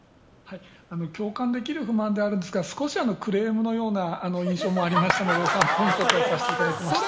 共感できる不満というか少しクレームのような印象もありますので３ポイントとさせていただきました。